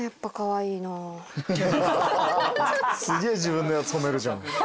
すげえ自分のやつ褒めるじゃん。